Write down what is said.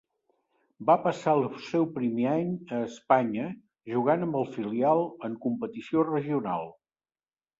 Va passar el seu primer any a Espanya jugant amb el filial, en competició regional.